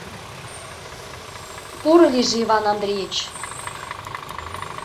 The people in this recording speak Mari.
— Поро лийже, Иван Андрейыч!